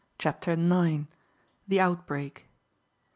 CHAPTER IX. THE OUTBREAK.